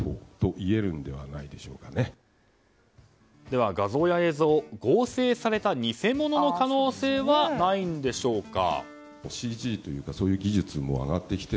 では画像や映像、合成された偽物の可能性はないんでしょうか。